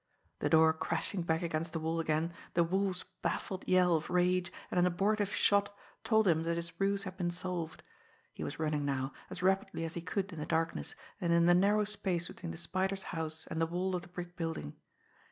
The door crashing back against the wall again, the Wolf's baffled yell of rage, and an abortive shot, told him that his ruse had been solved. He was running now, as rapidly as he could in the darkness and in the narrow space between the Spider's house and the wall of the brick building.